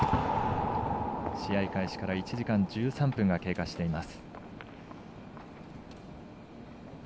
試合開始から１時間１３分が経過しています。